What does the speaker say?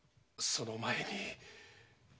その前に？